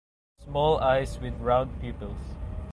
Small eyes with round pupils.